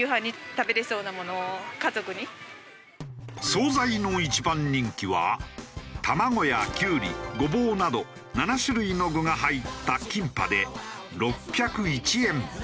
総菜の一番人気は卵やキュウリゴボウなど７種類の具が入ったキンパで６０１円。